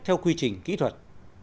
theo quy trình kỹ thuật